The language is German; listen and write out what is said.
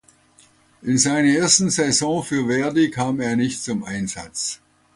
In seiner ersten Saison für Verdy kam er nicht zum Einsatz.